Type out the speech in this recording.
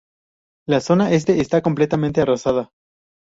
La zona este está completamente arrasada.